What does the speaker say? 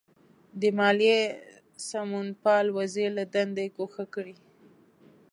د مالیې سمونپال وزیر له دندې ګوښه کړي.